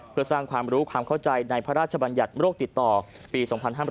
เพื่อสร้างความรู้ความเข้าใจในพระราชบัญญัติโรคติดต่อปี๒๕๕๘